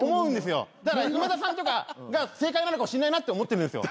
だから今田さんとかが正解なのかもしれないなと思ってるんですよ。